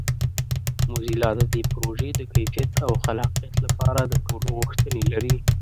موزیلا د دې پروژې د کیفیت او خلاقیت لپاره د ټولو غوښتنې لري.